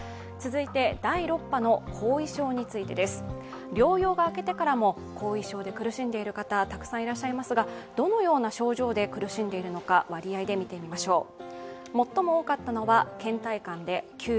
続いて第６波の後遺症についてです療養が明けてからも後遺症に苦しんでいる方はたくさんいますがどのような症状で苦しんでいるのか割合で見てみましょう。